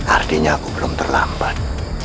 artinya aku belum terlambat